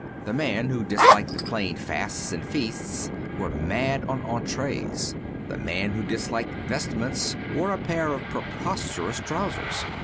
The man who disliked the plain fasts and feasts was mad on entrees. The man who disliked vestments wore a pair of preposterous trousers.